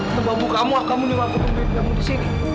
atau bambu kamu ah kamu nungguin aku nungguin kamu disini